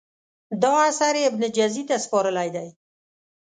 دا اثر یې ابن جزي ته سپارلی دی.